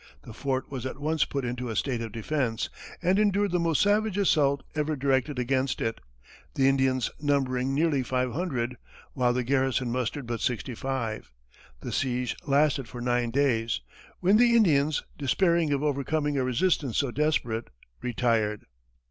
The fort was at once put into a state of defense, and endured the most savage assault ever directed against it, the Indians numbering nearly five hundred, while the garrison mustered but sixty five. The siege lasted for nine days, when the Indians, despairing of overcoming a resistance so desperate, retired.